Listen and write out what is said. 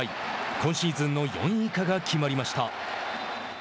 今シーズンの４位以下が決まりました。